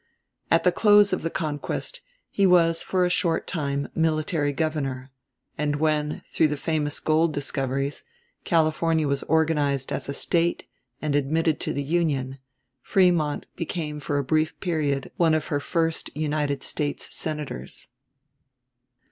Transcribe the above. At the close of the conquest he was for a short time military governor; and when, through the famous gold discoveries, California was organized as a State and admitted to the Union, Frémont became for a brief period one of her first United States Senators.